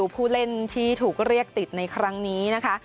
ผู้เล่นที่ถูกเรียกติดในครั้งนี้นะคะ